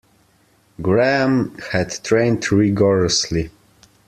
Graham had trained rigourously.